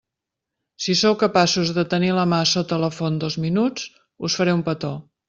Si sou capaços de tenir la mà sota la font dos minuts, us faré un petó.